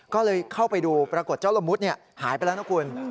ก็เลยเข้าไปดูปรากฏเจ้าละมุดหายไปแล้วนะคุณ